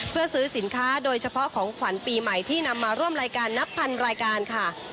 เพื่อซื้อสินค้าโดยเฉพาะของขวัญปีใหม่ที่นำมาร่วมรายการนับพันรายการค่ะ